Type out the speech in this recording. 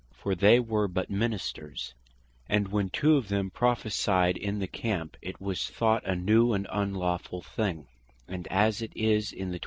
For they were but Ministers; and when two of them Prophecyed in the Camp, it was thought a new and unlawfull thing; and as it is in the 27.